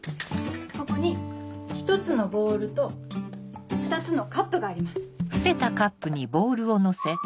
ここに１つのボールと２つのカップがあります。